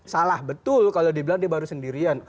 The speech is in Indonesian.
salah betul kalau dibilang dia baru sendirian